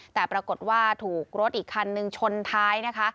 แต่ปรากฏว่าถูกรถอีกคันนึงชนท้ายนะคะ